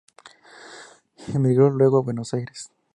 Emigró luego a Buenos Aires.